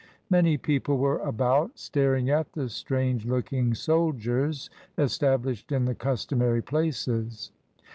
Many people were about, staring at the strange looking soldiers established in the customary places.